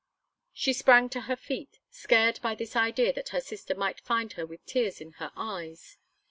She sprang to her feet, scared by this idea that her sister might find her with tears in her eyes.